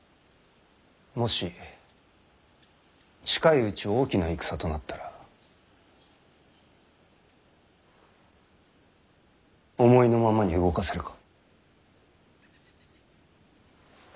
もし近いうち大きな戦となったら思いのままに動かせるか？